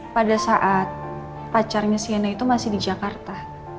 pada saat pacarnya siena itu masih di jakarta